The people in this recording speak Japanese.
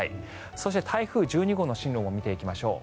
そして、台風１２号の進路も見ていきましょう。